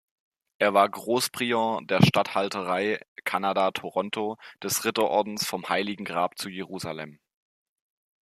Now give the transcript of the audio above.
Er war Großprior der Statthalterei Kanada-Toronto des Ritterordens vom Heiligen Grab zu Jerusalem.